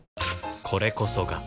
これこそが